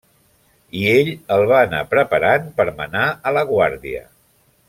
I ell el va anar preparant per manar a la guàrdia.